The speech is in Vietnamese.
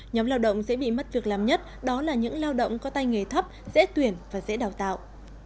nhóm lao động dễ bị mất việc làm nhất đó là những lao động có tay nghề thấp dễ tuyển và dễ đào tạo